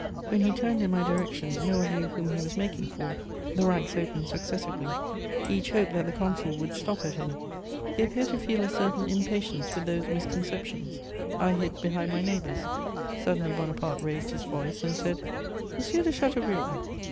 When he turned in my direction no one knew whom he was making for; the ranks opened successively; each hoped that the Consul would stop at him; he appeared to feel a certain impatience with those misconceptions. I hid behind my neighbours; suddenly Bonaparte raised his voice and said: "Monsieur de Chateaubriand!"